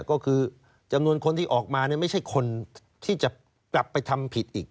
ก็คือจำนวนคนที่ออกมาไม่ใช่คนที่จะกลับไปทำผิดอีก